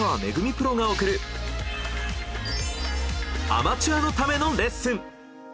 プロが贈るアマチュアのためのレッスン。